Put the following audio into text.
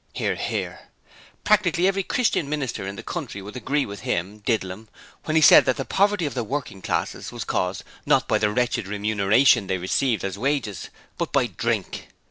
(Hear, hear.) Practically every Christian minister in the country would agree with him (Didlum) when he said that the poverty of the working classes was caused not by the 'wretched remuneration they receive as wages', but by Drink.